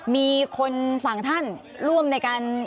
มีคนฝั่งท่านร่วมในการ